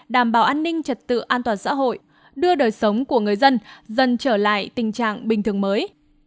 đảm bảo an ninh trật tự an toàn xã hội đưa đời sống của người dân dần trở lại tình trạng bình thường mới